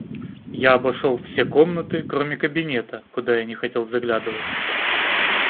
Я обошел все комнаты, кроме кабинета, куда я не хотел заглядывать.